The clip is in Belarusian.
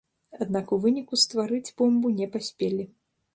Аднак у выніку стварыць бомбу не паспелі.